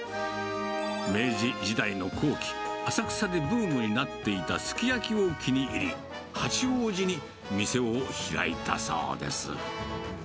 明治時代の後期、浅草でブームになっていたすき焼きを気に入り、八王子に店を開いたそうです。